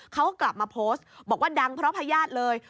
เขากลับมาโพสต์บอกว่าดังเพราะพญาติเลย